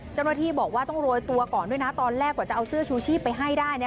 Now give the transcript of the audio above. เจ้าหน้าที่บอกว่าต้องโรยตัวก่อนด้วยนะตอนแรกกว่าจะเอาเสื้อชูชีพไปให้ได้